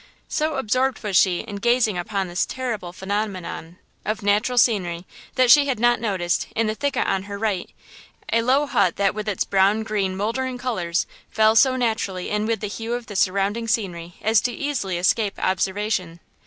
So absorbed was she in gazing upon this terrible phenomenon of natural scenery that she had not noticed, in the thicket on her right, a low hut that, with its brown green moldering colors, fell so naturally in with the hue of the surrounding scenery as easily to escape observation.